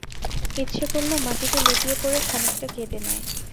ইচ্ছে করল মাটিতে লুটিয়ে পড়ে খানিকটা কেঁদে নেয়।